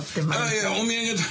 いやお土産。